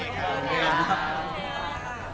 โอเคครับ